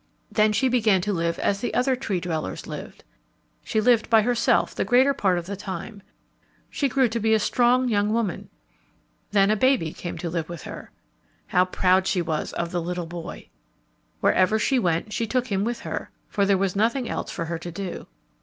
Then she began to live as the other Tree dwellers lived. She lived by herself the greater part of the time. She grew to be a strong young woman. Then a baby came to live with her. How proud she was of the little boy! Wherever she went she took him with her, for there was nothing else for her to do.